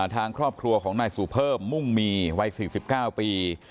ทางครอบครัวของนายสุเพิ่มมุ่งมีวัย๔๙ปี